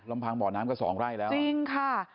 ลำพังบ่อน้ำก็สองไร่แล้วจริงค่ะ